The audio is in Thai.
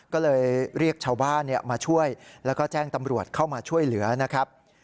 ก็เลยเรียกชาวบ้านมาช่วยแล้วก็แจ้งตำรวจเข้ามาช่วยเหลือนะครับ